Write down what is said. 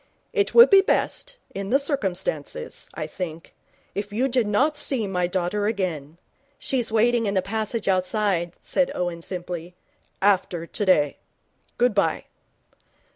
It would be best, in the circumstances, I think, if you did not see my daughter again ' 'She's waiting in the passage outside,' said Owen, simply. ' after today. Good bye.'